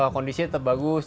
kondisinya tetap bagus